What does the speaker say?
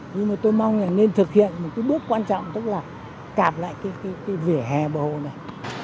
nhưng mà tôi mong là nên thực hiện một cái bước quan trọng tức là cạp lại cái vỉa hè bầu này